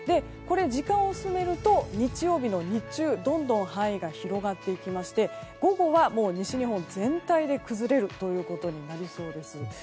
時間を進めると日曜日の日中どんどん範囲が広がっていきまして午後はもう西日本全体で崩れるということになりそうです。